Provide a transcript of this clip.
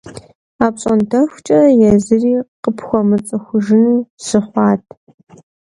АпщӀондэхукӀэ езыри къыпхуэмыцӀыхужыну жьы хъуат.